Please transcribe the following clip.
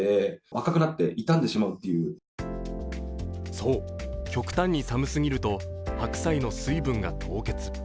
そう、極端に寒すぎると白菜の水分が凍結。